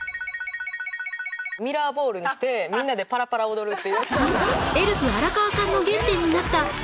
ミラーボールにしてみんなでパラパラ踊るっていう。